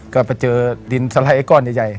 ก็ไปเจอดินสไลด์ไอ้ก้อนใหญ่